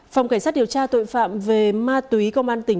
phòng cảnh sát điều tra tội phạm về ma túy công an tỉnh